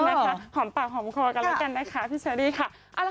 นะคะหอมปากหอมคอกันแล้วกันนะคะพี่เชอรี่ค่ะ